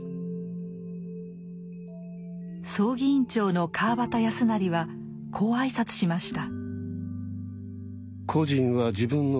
葬儀委員長の川端康成はこう挨拶しました。